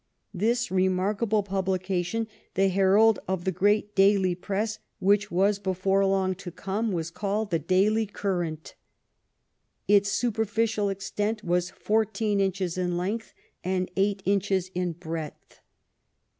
This remarkable publication, the herald of the great daily press which was before long to come, 218 THE LONDON OP QUEEN ANNE was called the Daily Courant, Its superficial extent was fourteen inches in length and eight inches in breadth.